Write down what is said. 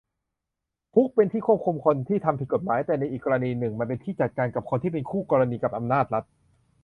คุกเป็นที่ควบคุมคนที่ทำผิดกฎหมาย แต่ในอีกกรณีหนึ่งมันเป็นที่จัดการกับคนที่เป็นคู่กรณีกับอำนาจรัฐ